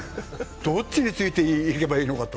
どっちについていけばいいのかと。